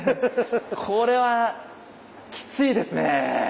これはきついですね。